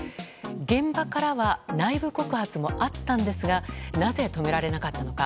現場からは内部告発もあったんですがなぜ止められなかったのか。